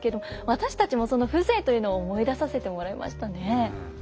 私たちもその風情というのを思い出させてもらいましたね。